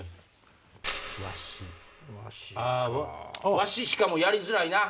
ワシしかもやりづらいな！